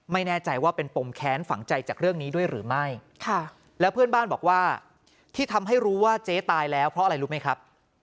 ไม่แน่ใจว่าเป็นปมแค้นฝังใจจากเรื่องนี้ด้วยหรือไม่แล้วเพื่อนบ้านบอกว่าที่ทำให้รู้ว่าเจ๊ตายแล้วเพราะอะไรรู้ไหมครับ